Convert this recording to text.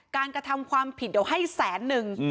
การกระทำความผิดเอาให้แสนหนึ่ง